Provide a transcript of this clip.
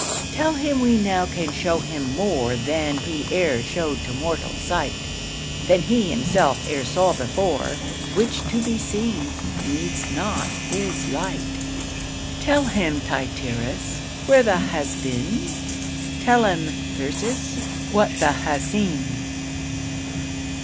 Tell him we now can show him more Than he e'er show'd to mortal sight, Than he himself e'er saw before, Which to be seen needs not his light: Tell him Tityrus where th' hast been, Tell him Thyrsis what th' hast seen.